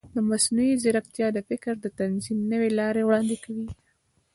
مصنوعي ځیرکتیا د فکر د تنظیم نوې لارې وړاندې کوي.